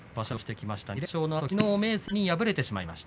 きのう明生に敗れてしまいました。